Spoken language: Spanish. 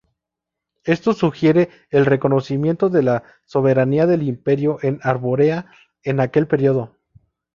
Esto sugiere el reconocimiento de la soberanía del imperio en Arborea en aquel periodo.